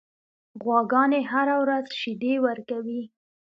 غواګانې هره ورځ شیدې ورکوي.